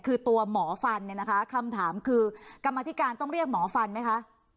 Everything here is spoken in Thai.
คือตัวหมอฟันเนี่ยนะคะคำถามคือกรรมธิการต้องเรียกหมอฟันไหมคะ